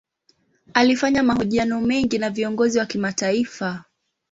Alifanya mahojiano mengi na viongozi wa kimataifa.